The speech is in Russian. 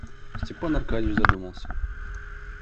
Степан Аркадьич задумался.